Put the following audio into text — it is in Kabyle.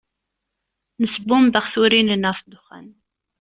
Nesbumbex turin-nneɣ s ddexxan.